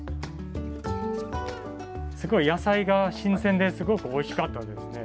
すごい野菜が新鮮ですごくおいしかったですね。